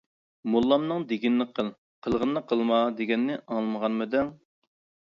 «موللامنىڭ دېگىنىنى قىل، قىلغىنىنى قىلما» دېگەننى ئاڭلىمىغانمىدىڭ؟ !